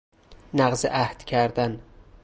نقض عﮩد کردن